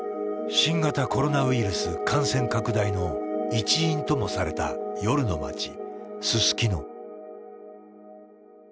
新型コロナウイルス感染拡大の一因ともされた夜の街すすきの。